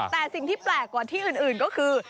แต่สิ่งที่แปลกกว่าที่อื่นก็คือ